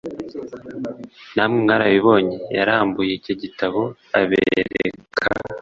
namwe mwarabibonye yarambuye icyo gitabo abereka